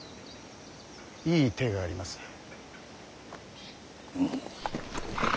いい手があります。